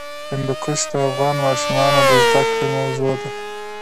هندوکش د افغان ماشومانو د زده کړې موضوع ده.